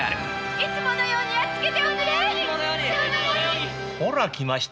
いつものようにやっつけて！